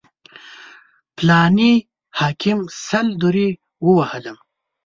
فلاني حاکم سل درې ووهلم.